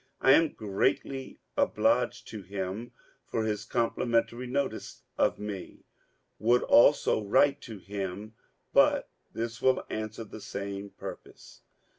I am greatly obliged to him for his complimentary notice of me; would also write to him, but this will answer the same purpose.